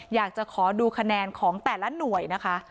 อยากจะขอดูคะแนนของแต่ละหน่วยนะคะ